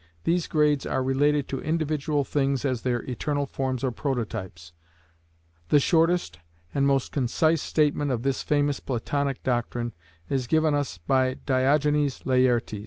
These grades are related to individual things as their eternal forms or prototypes. The shortest and most concise statement of this famous Platonic doctrine is given us by Diogenes Laertes (iii.